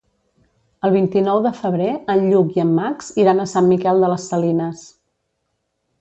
El vint-i-nou de febrer en Lluc i en Max iran a Sant Miquel de les Salines.